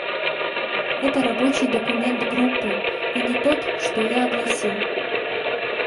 Это рабочий документ Группы, и не тот, что я огласил.